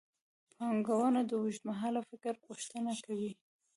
پانګونه د اوږدمهال فکر غوښتنه کوي.